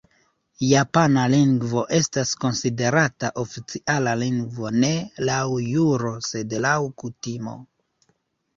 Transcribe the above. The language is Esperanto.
Japana lingvo estas konsiderata oficiala lingvo ne laŭ juro sed laŭ kutimo.